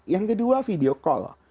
yang kedua video call